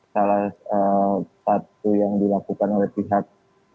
salah satu yang dilakukan oleh pihak